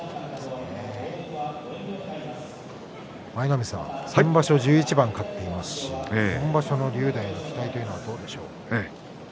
舞の海さん先場所１１番勝っていますし今場所、竜電への期待というのはどうでしょうか。